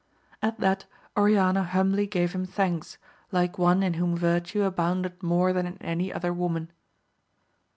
At that Oriana humbly gave him thanks, like one in whom virtue abounded more than in any other woman.